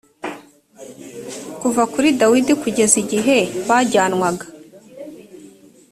kuva kuri dawidi kugeza igihe bajyanwaga